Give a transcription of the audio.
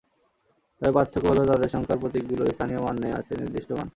তবে পার্থক্য হলো তাদের সংখ্যার প্রতীকগুলোর স্থানীয় মান নেই, আছে নির্দিষ্ট মান।